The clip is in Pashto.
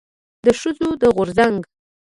د ښځو د غورځنګ